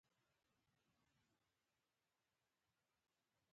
خبره له قلمه تېرېدلې توره ده.